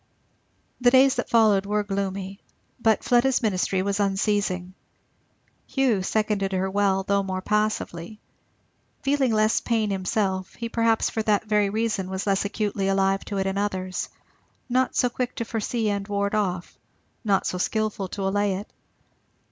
The days that followed were gloomy; but Fleda's ministry was unceasing. Hugh seconded her well, though more passively. Feeling less pain himself, he perhaps for that very reason was less acutely alive to it in others; not so quick to foresee and ward off, not so skilful to allay it.